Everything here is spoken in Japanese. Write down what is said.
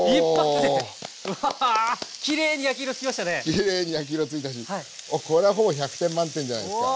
きれいに焼き色ついたしこれはほぼ１００点満点じゃないですか？